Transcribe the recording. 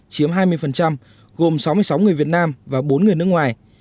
chiếm hai mươi gồm sáu mươi sáu người việt nam và bốn người nước ngoài